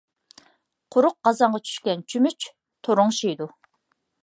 قۇرۇق قازانغا چۈشكەن چۆمۈچ تورۇڭشىيدۇ.